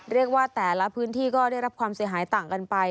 เรียกว่าแต่ละพื้นที่ก็ได้รับความเสียหายต่างกันไป